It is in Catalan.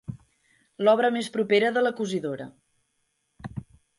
L'obra més propera de la cosidora.